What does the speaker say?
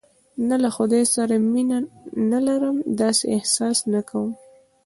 نه، له خدای سره مینه نه لرم، داسې احساس نه کوم.